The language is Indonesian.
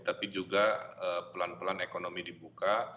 tapi juga pelan pelan ekonomi dibuka